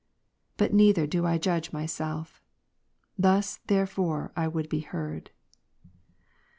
But neither do I judge myself. Thus therefore I ^ ^o"" would be heard.